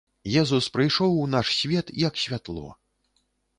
Езус прыйшоў у наш свет як святло.